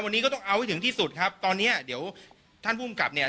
วันนี้ก็ต้องเอาให้ถึงที่สุดครับตอนเนี้ยเดี๋ยวท่านภูมิกับเนี่ย